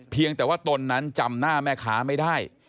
เพียงแต่ว่าตนนั้นจำหน้าแม่ค้าไม่ได้